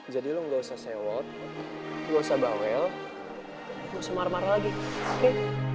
jadi lo gak usah sewot gak usah bawel gak usah marah marah lagi oke